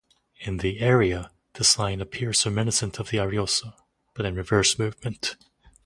In the aria, this line appears reminiscent of the arioso, but in reverse movement.